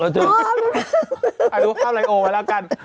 เอาไลโอไว้แล้วกัน